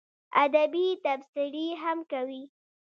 ادبي تبصرې هم کوي.